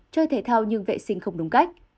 chơi thể thao nhưng vệ sinh không đúng cách